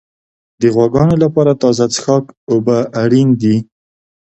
د غواګانو لپاره تازه څښاک اوبه اړین دي.